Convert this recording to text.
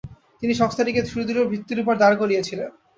তিনি সংস্থাটিকে সুদৃঢ় ভিত্তির ওপর দাঁড় করিয়েছিলেন।